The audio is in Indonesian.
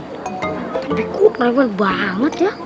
tapi ku lewat banget ya